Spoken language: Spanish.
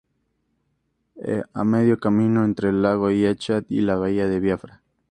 E., a medio camino entre el lago Chad y la bahía de Biafra.